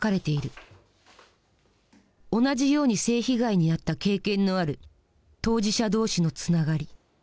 同じように性被害に遭った経験のある当事者同士のつながり